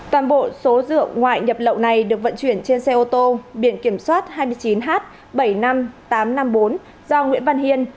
toàn bộ số rượu ngoại nhập lậu này được vận chuyển trên xe ô tô biển kiểm soát hai mươi chín h bảy mươi năm nghìn tám trăm năm mươi bốn do nguyễn văn hiên